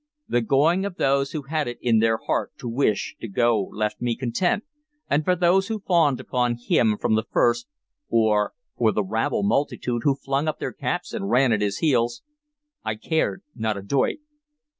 The going of those who had it in their heart to wish to go left me content, and for those who fawned upon him from the first, or for the rabble multitude who flung up their caps and ran at his heels, I cared not a doit.